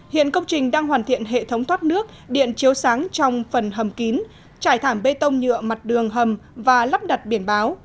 hiện công trình đang hoàn thiện hệ thống thoát nước điện chiếu sáng trong phần hầm kín trải thảm bê tông nhựa mặt đường hầm và lắp đặt biển báo